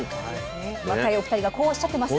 若いお二人がこうおっしゃってます。